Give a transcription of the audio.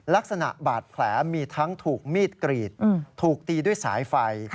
ลักษณะบาดแผลมีทั้งถูกมีดกรีดถูกตีด้วยสายไฟ